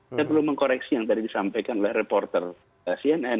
saya perlu mengkoreksi yang tadi disampaikan oleh reporter cnn